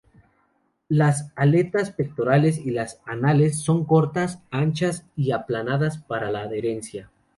Las aletas pectorales y las anales son cortas, anchas y aplanadas, para la adherencia.